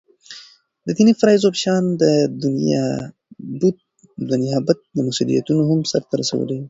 دديني فرائضو په شان دنيابت مسؤليتونه هم سرته رسوي ولي